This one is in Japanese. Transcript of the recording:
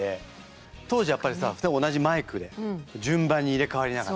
当時やっぱりさ同じマイクで順番に入れ代わりながら。